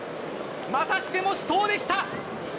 またしても死闘でした。